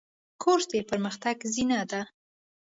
کورس د پرمختګ زینه ده.